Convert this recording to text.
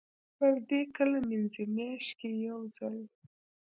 پردې کله مینځئ؟ میاشت کې یوځل